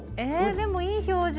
でもいい表情！